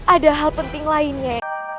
ada hal penting lainnya